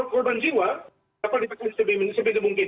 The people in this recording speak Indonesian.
korban jiwa dapat dipecahkan sepilih mungkin